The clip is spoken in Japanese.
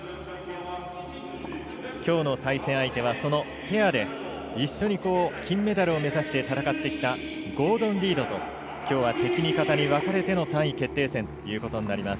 きょうの対戦相手は、そのペアで一緒に金メダルを目指して戦ってきたゴードン・リードときょうは敵味方に分かれての３位決定戦となります。